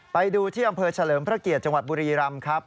ไปดูที่อำเภอเฉลิมพระเกียรติจังหวัดบุรีรำครับ